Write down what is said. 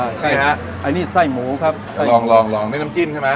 ใช่ฮะอันนี้ไส้หมูครับลองลองลองด้วยน้ำจิ้มใช่ไหม